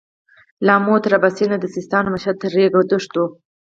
له امو تر اباسينه د سيستان او مشهد تر رېګي دښتو.